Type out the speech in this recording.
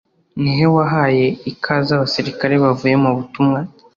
ni we wahaye ikaze abasirikare bavuye mu butumwa